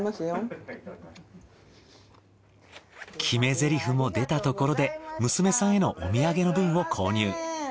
決めゼリフも出たところで娘さんへのお土産の分を購入。